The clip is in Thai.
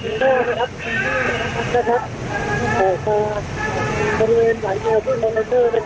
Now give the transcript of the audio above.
นะครับเดินผ่านแนวนะครับสี่สิบนาทีกว่าโดยมีรถโดยมีรถ